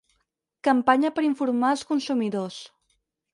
Campanya per informar els consumidors.